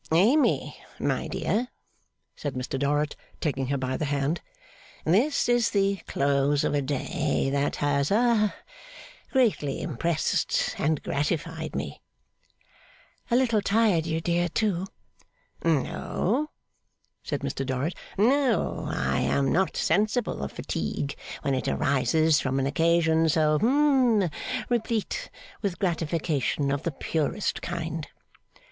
'Amy, my dear,' said Mr Dorrit, taking her by the hand, 'this is the close of a day, that has ha greatly impressed and gratified me.' 'A little tired you, dear, too?' 'No,' said Mr Dorrit, 'no: I am not sensible of fatigue when it arises from an occasion so hum replete with gratification of the purest kind.